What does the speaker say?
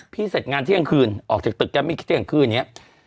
พี่เสร็จงานเที่ยงคืนออกจากตึกแก้มไม่คิดว่างเที่ยงคืนเนี่ย